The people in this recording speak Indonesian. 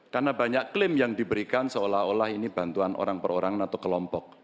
karena banyak klaim yang diberikan seolah olah ini bantuan orang per orang atau kelompok